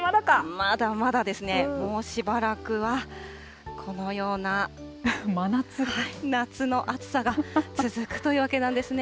まだまだもうしばらくはこのような夏の暑さが続くというわけなんですね。